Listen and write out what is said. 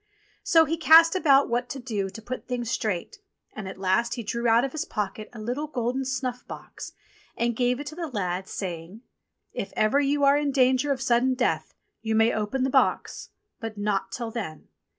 So he cast about what to do to put things straight, and at last he drew out of his pocket a little golden snuff box, and gave it to the lad saying : "If ever you are in danger of sudden death you may open the box ; but not till then.